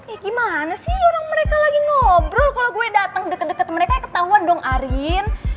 eh gimana sih orang mereka lagi ngobrol kalau gue datang deket deket mereka ketahuan dong arin